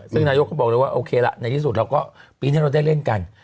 ซึ่งนายกก็บอกเลยว่าโอเคละในที่สุดเราก็ปีนี้เราได้เล่นกัน